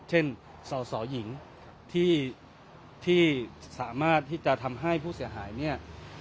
เช่นส่อหญิงที่สามารถที่จะทำให้ผู้เสียหายเนี่ย